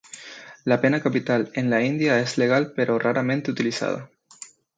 La pena capital en la India es legal pero raramente utilizada.